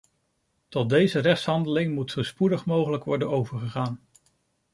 Tot deze rechtshandeling moet zo spoedig mogelijk worden overgegaan.